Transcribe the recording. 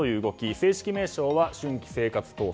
正式名称は春季生活闘争。